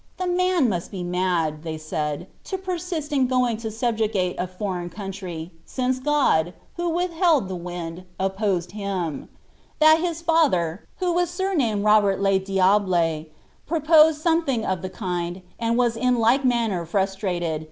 ^ The man must he mad," they said, " to persist in going to auiijugnte a foreign country, since Ood, who withhetd the wind, upposed him \ that his lather, who was sumamed Robert le D'labb , purposed something of the kind, and was in like manner frustrated!